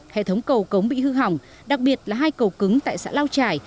hệ thống cầu cống bị hư hỏng đặc biệt là hai cầu cứng tại xã lao trải